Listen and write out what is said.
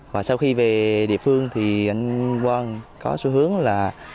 và sau khi về địa phương thì anh quang có xu hướng là